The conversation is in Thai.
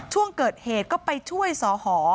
ช่วงเกิดเหตุก็ไปช่วยสอหอ